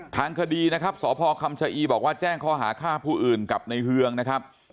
ทางคดีนะครับสพคำชะอีบอกว่าแจ้งข้อหาฆ่าผู้อื่นกับในเฮืองนะครับ